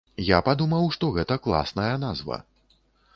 Я падумаў, што гэта класная назва.